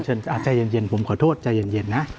ใจเย็นผมขอโทษใจเย็นนะ